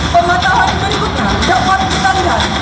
pematangan berikutnya dapat kita lihat